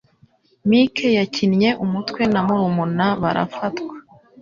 Mike yakinnye umutwe na murumuna barafatwa.